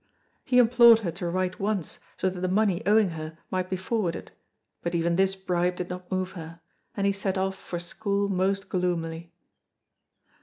He implored her to write once, so that the money owing her might be forwarded, but even this bribe did not move her, and he set off for school most gloomily.